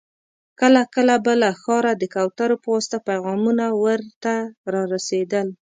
کله کله به له ښاره د کوترو په واسطه پيغامونه ور ته را رسېدل.